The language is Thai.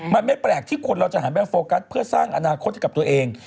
มันไม่แปลกที่คนเราจะหันไปโฟกัสเพื่อสร้างอนาคตให้กับตัวเอง